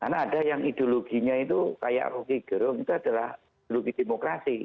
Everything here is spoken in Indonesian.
karena ada yang ideologinya itu kayak rocky gerung itu adalah ideologi demokrasi